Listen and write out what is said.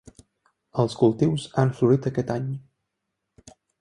Els cultius han florit aquest any.